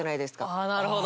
ああなるほど。